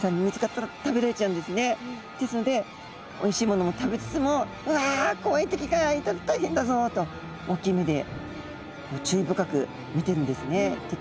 ですのでおいしいものも食べつつも「うわ怖い敵がいたら大変だぞ！」と大きい目で注意深く見てるんですね敵も。